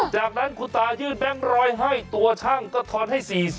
จากนั้นคุณตายื่นแบงค์ร้อยให้ตัวช่างก็ทอนให้๔๐